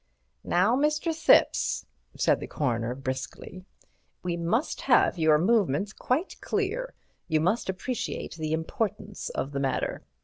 "Now, Mr. Thipps," said the Coroner, briskly, "we must have your movements quite clear. You must appreciate the importance of the matter.